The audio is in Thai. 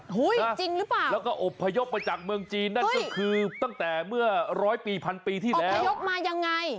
จริงหรือเปล่าแล้วก็อบพยพมาจากเมืองจีนนั่นก็คือตั้งแต่เมื่อร้อยปีพันปีที่แล้วนายกมายังไง